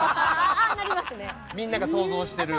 みんなが想像してる。